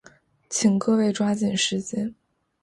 请各位抓紧时间。